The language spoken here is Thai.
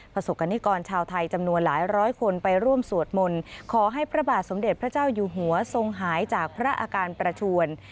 ประสบกรณิกรชาวไทยจำนวนหลายร้อยคนไปร่วมสวดมนต์ขอให้พระบาทสมเด็จพระเจ้าอยู่หัวทรงหายจากพระอาการประชวน